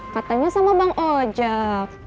katanya sama bang ojak